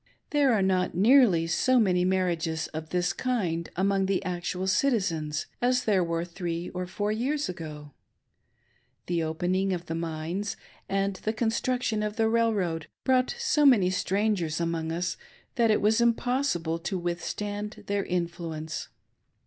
There are not nearly so many marriages of this kind among the actual citizens as there were three or four years ago. The opening of the mines and the construction of 37 ^lO HOW THE GIRLS REGARD POLYGAMY, the railroad' brought so many strangers among ua that it was impossible to withstand their influence.